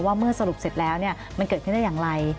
เมื่อสรุปเสร็จแล้วมันเกิดขึ้นได้อย่างไร